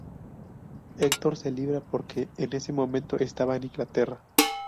Hector se libra porque en ese momento estaba en Inglaterra.